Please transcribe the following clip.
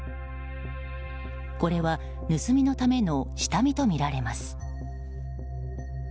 これは盗みのための下見とみられます。